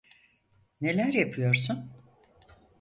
Neler yapıyorsun?